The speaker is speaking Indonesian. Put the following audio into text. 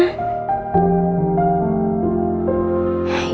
cuma masak sama itu